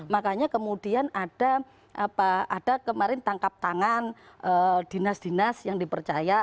makanya kemudian ada kemarin tangkap tangan dinas dinas yang dipercaya